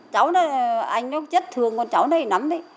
cháu này anh nó rất thương con cháu này lắm đấy